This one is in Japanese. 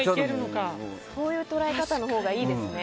そういう捉え方のほうがいいですね。